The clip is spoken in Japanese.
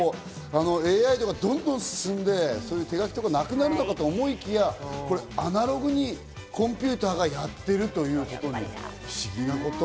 ＡＩとかどんどん進んで、手書きとかなくなるのかと思いきや、アナログにコンピューターがやってるという、不思議なこと。